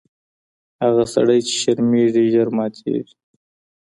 هغه سړی چي شرمیږي ژر ماتیږي.